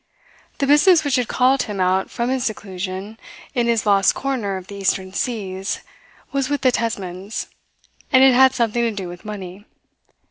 The business which had called him out from his seclusion in his lost corner of the Eastern seas was with the Tesmans, and it had something to do with money.